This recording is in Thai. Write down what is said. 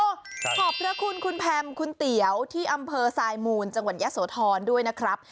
ขอบพระคุณคุณแพมคุณเตี๋ยวที่อำเภอสายมูลจังหวัดยะโสธรด้วยนะครับ